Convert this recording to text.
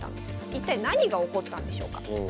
一体何が起こったんでしょうか。